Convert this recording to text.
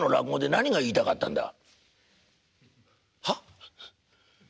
何が言いたかったんだ。